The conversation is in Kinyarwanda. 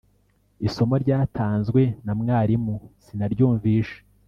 isomo ryatanzwe namwarimu sinaryumvishe